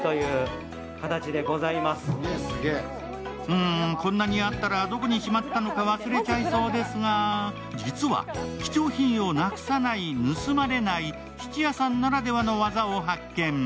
うーん、こんなにあったらどこにしまったのか忘れちゃいそうですが、実は貴重品をなくさない、盗まれない、質屋さんならではの技を発見。